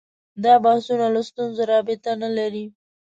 دا بحثونه له ستونزو رابطه نه لري